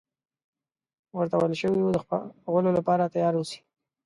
ورته ویل شوي وو د خپرولو لپاره تیار اوسي.